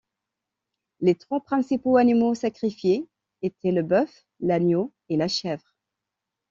Les trois principaux animaux sacrifiés étaient le bœuf, l'agneau et la chèvre.